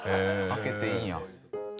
開けていいんや。